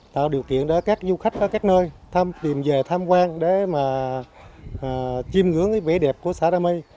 tạo điều kiện để các du khách ở các nơi tìm về tham quan để mà chim ngưỡng cái vẻ đẹp của xã đa my